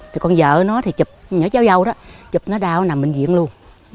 thì con vợ nó thì chụp nhỏ cháu dâu đó chụp nó đau nằm bệnh viện luôn